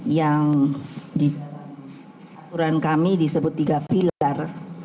yang di aturan kami disebut tiga pilar